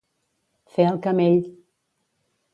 Fer el camell.